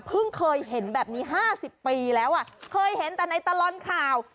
เคยเห็นแบบนี้๕๐ปีแล้วอ่ะเคยเห็นแต่ในตลอดข่าว